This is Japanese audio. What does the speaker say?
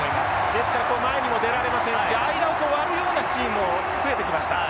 ですから前にも出られませんし間を割るようなシーンも増えてきました。